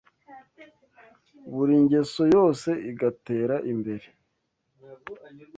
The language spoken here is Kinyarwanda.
buri ngeso yose igatera imbere